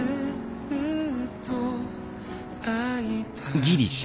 ギリシャ？